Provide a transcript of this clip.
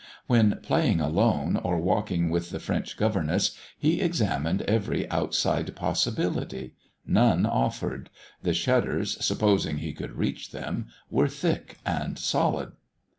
When playing alone, or walking with the French governess, he examined every outside possibility. None offered. The shutters, supposing he could reach them, were thick and solid.